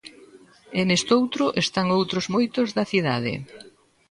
E nestoutro están outros moitos da cidade.